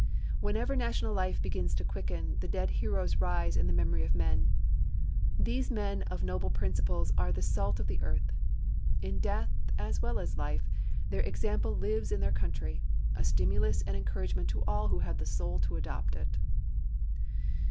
Whenever national life begins to quicken, the dead heroes rise in the memory of men. These men of noble principles are the salt of the earth. In death, as well as life, their example lives in their country, a stimulus and encouragement to all who have the soul to adopt it.